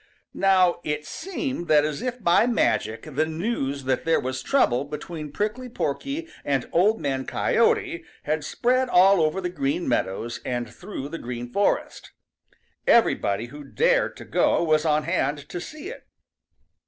Now it seemed that as if by magic the news that there was trouble between Prickly Porky and Old Man Coyote had spread all over the Green Meadows and through the Green Forest. Everybody who dared to go was on hand to see it.